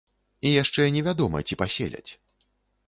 І яшчэ не вядома, ці паселяць.